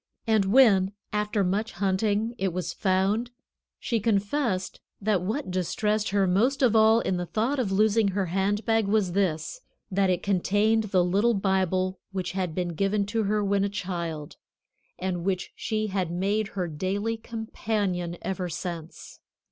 And when, after much hunting, it was found, she confessed that what distressed her most of all in the thought of losing her hand bag was this, that it contained the little Bible which had been given to her when a child and which she had made her daily companion ever since.